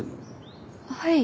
はい。